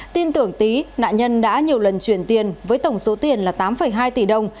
tin tưởng tý nạn nhân đã nhiều lần chuyển tiền với tổng số tiền là tám hai tỷ đồng